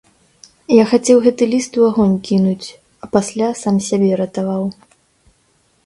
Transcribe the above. Я хацеў гэты ліст у агонь кінуць, а пасля сам сябе ратаваў.